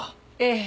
ええ。